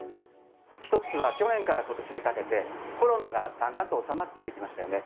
１つは、去年からことしにかけて、コロナがだんだんと収まってきましたよね。